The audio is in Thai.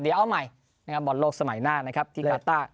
เดี๋ยวเอาใหม่นะครับบอลโลกสมัยหน้านะครับที่กาต้า